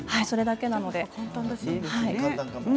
それだけなので。